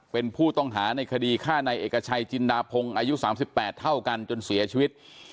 เป็นผู้ต้องหาในคดีฆ่าในเอกชัยจินดาพงศ์อายุ๓๘เท่ากันจนเสียชีวิต